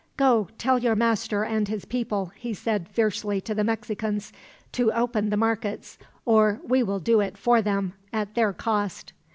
"Go, tell your master and his people," he said fiercely to the Mexicans, "to open the markets, or we will do it for them, at their cost!"